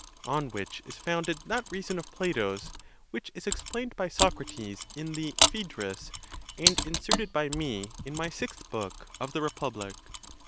On which is founded that reason of Plato's, which is explained by Socrates in the Pheedrus, and inserted by me, in my sixth book of the Republic.